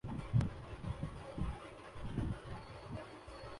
کنگنا رناوٹ کبڈی کے اکھاڑے میں اتریں گی